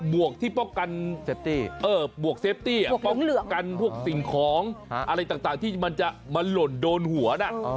มวกที่ป้องกันป้องกันพวกสิ่งของอะไรต่างที่จะมาหล่นโดนหัวนะ